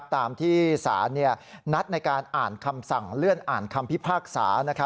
ตามที่สารนัดในการอ่านคำสั่งเลื่อนอ่านคำพิพากษา